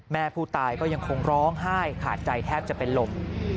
แม่ผู้ตายก็ยังคงร้องไห้ขาดใจแทบจะเป็นลม